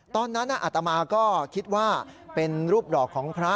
ตอนนั้นอัตมาก็คิดว่าเป็นรูปดอกของพระ